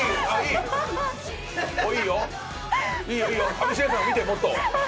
上白石さん見てもっと。